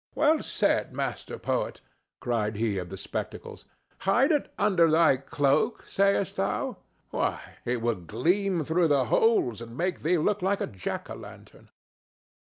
"Well said, Master Poet!" cried he of the spectacles. "Hide it under thy cloak, sayest thou? Why, it will gleam through the holes and make thee look like a jack o' lantern!"